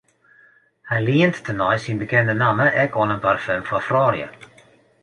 Hy lient tenei syn bekende namme ek oan in parfum foar froulju.